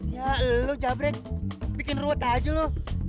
ya lo jabrek bikin ruwet aja lo